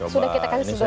sudah kita kasih sudutan